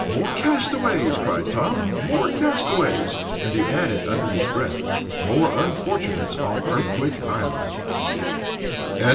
"More castaways!" cried Tom. "More castaways," and, he added under his breath, "more unfortunates on earthquake island!"